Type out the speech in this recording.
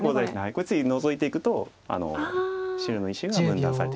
これ次ノゾいていくと白の石が分断されてしまいますので。